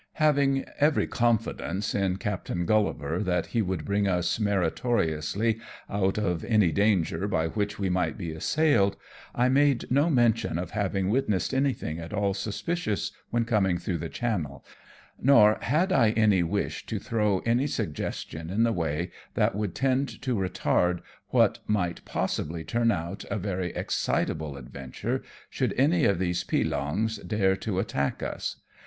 Having every confidence in Captain Gullivar that he would bring us meritoriously out of any danger by which we might be assailed, I made no mention of having witnessed anything at all suspicious when coming through the channel, nor had I any wish to throw any suggestion in the way that would tend to 2 6 AMONG TYPHOONS AND PIRATE CFAFT. retard what might possibly turn out a very excitable adventurOj should any of these pielongs dare to attack us.